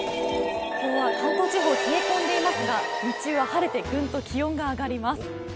今日は関東地方冷え込んでいますが、日中は晴れてぐんと気温が上がります。